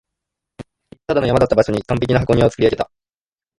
ただの山だった場所に完璧な箱庭を造り上げた